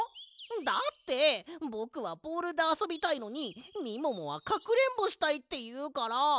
だってぼくはボールであそびたいのにみももはかくれんぼしたいっていうから！